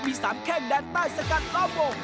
ที่สามแข่งด้านใต้สกัดรอบวง